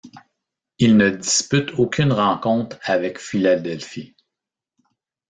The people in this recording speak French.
Il ne dispute aucune rencontre avec Philadelphie.